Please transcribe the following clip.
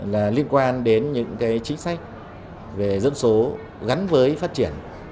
là liên quan đến những cái chính sách về dân số gắn với phát triển